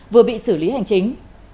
vừa bị xử lý hành chính